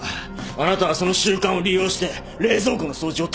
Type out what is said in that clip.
あなたはその習慣を利用して冷蔵庫の掃除を頼んだ。